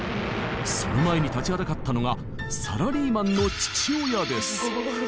その前に立ちはだかったのがサラリーマンの父親です。